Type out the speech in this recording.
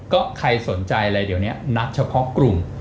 ก็ใครสนใจอะไรเดี๋ยวนี้นัดเฉพาะกลุ่ม